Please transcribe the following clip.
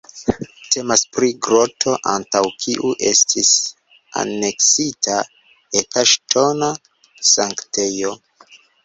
Temas pri groto antaŭ kiu estis aneksita eta ŝtona sanktejo.